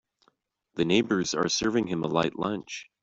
The neighbors are serving him a light lunch.